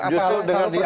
justru dengan diangkat